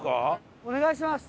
お願いします。